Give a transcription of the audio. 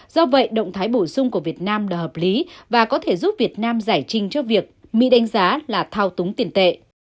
do vậy động thái bổ sung của việt nam là hợp lý và có thể giúp việt nam giải trình cho việc mỹ đánh giá là thao túng tiền tệ